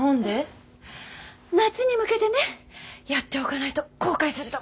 夏に向けてねやっておかないと後悔すると思って。